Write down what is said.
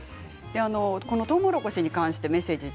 とうもろこしに関してメッセージです。